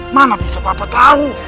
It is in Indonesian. mana bisa bapak tahu